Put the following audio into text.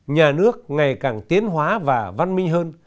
nhà nước ngày càng tiến hóa và văn minh hơn